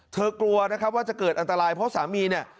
กลัวนะครับว่าจะเกิดอันตรายเพราะสามีเนี่ย